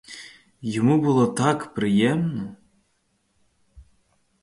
Йому було так приємно!